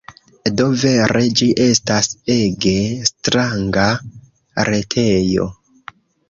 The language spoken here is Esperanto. Do, vere ĝi estas ege stranga retejo.